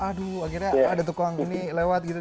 aduh akhirnya ada tukang ini lewat gitu